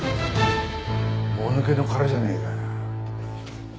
もぬけの殻じゃねえか。